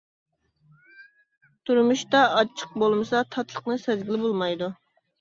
تۇرمۇشتا ئاچچىق بولمىسا تاتلىقنى سەزگىلى بولمايدۇ.